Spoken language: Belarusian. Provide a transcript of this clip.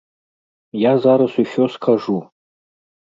Я зараз усё скажу.